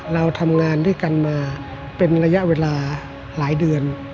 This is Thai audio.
เราทำงานด้วยกันมาเป็นระยะเวลาหลายเดือน